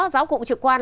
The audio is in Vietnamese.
giáo cụ trực quan